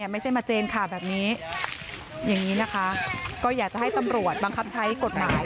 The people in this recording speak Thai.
ไม่ใช่มาเจนค่ะแบบนี้อย่างนี้นะคะก็อยากจะให้ตำรวจบังคับใช้กฎหมาย